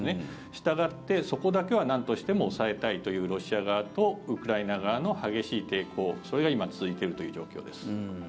したがって、そこだけはなんとしても押さえたいというロシア側とウクライナ側の激しい抵抗それが今、続いているという状況です。